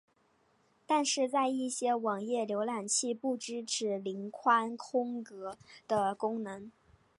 但是在一些网页浏览器不支援零宽空格的功能。